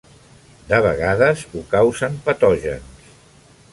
De vegades ho causen patògens.